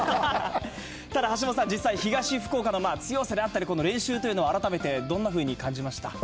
ただ、橋下さん、実際、東福岡の強さであったり、練習というのを改めてどんなふうに感じました？